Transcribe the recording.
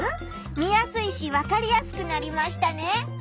見やすいしわかりやすくなりましたね。